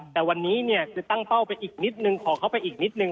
แต่วันนี้จะตั้งเป้าไปอีกนิดหนึ่งขอเข้าไปอีกนิดหนึ่ง